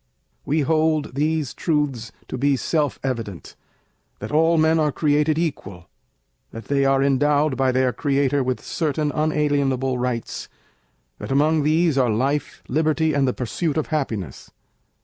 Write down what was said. We hold these truths to be self evident, that all men are created equal, that they are endowed by their Creator with certain unalienable Rights, that among these are Life, Liberty, and the pursuit of Happiness.